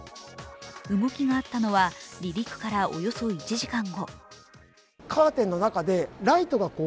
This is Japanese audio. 動きがあったのは、離陸からおよそ１時間後。